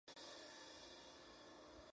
La prisión tiene varias secciones separadas.